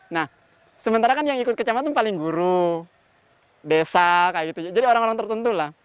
nah sementara kan yang ikut kecamatan paling guru desa kayak gitu jadi orang orang tertentu lah